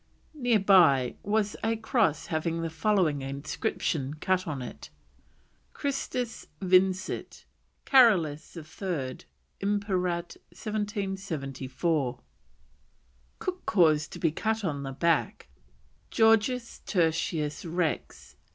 Near by was a cross having the following inscription cut on it: CHRISTUS VINCIT, CAROLUS III. IMPERAT, 1774. Cook caused to be cut on the back: GEORGIUS TERTIUS REX.